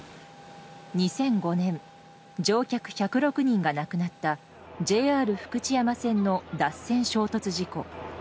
２００５年乗客１０６人が亡くなったＪＲ福知山線の脱線衝突事故。